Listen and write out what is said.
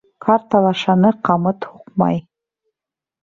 Карт алашаны ҡамыт һуҡмай.